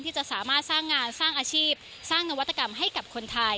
จะสามารถสร้างงานสร้างอาชีพสร้างนวัตกรรมให้กับคนไทย